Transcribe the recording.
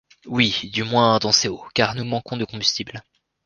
Oui, du moins dans ses hauts, car nous manquons de combustible.